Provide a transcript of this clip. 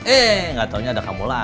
ih gak taunya ada kamu lah